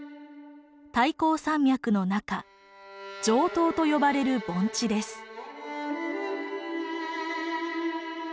太行山脈の中上党と呼ばれる盆地です。